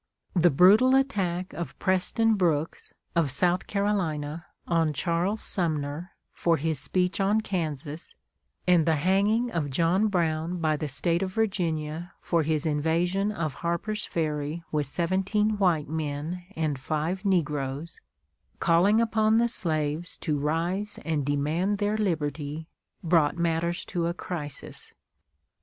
The brutal attack of Preston Brooks, of South Carolina, on Charles Sumner, for his speech on Kansas, and the hanging of John Brown by the State of Virginia for his invasion of Harper's Ferry with seventeen white men and five negroes, calling upon the slaves to rise and demand their liberty, brought matters to a crisis.